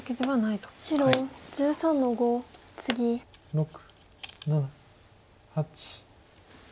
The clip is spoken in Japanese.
６７８。